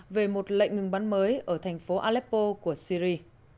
về một lệnh ngừng bắn mới ở thành phố aleppo của syri